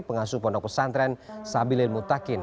pengasuh pondok pesantren sabilil mutakin